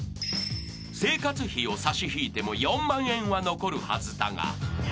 ［生活費を差し引いても４万円は残るはずだが］